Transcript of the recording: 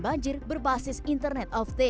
jangan lupa girikanifice